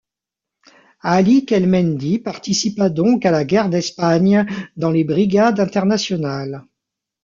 Ali Kelmendi participa donc à la Guerre d'Espagne dans les brigades internationales.